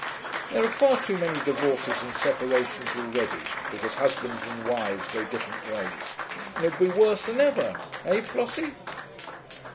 There are far too many divorces and separations already because husbands and wives go different ways, and it would be worse than ever. Eh, Flossie?'